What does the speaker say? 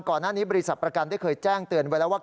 ก่อนหน้านี้บริษัทประกันได้เคยแจ้งเตือนไว้แล้วว่า